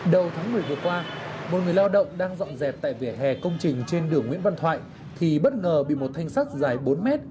đầu tháng một mươi vừa qua một người lao động đang dọn dẹp tại vỉa hè công trình trên đường nguyễn văn thoại thì bất ngờ bị một thanh sắt dài bốn mét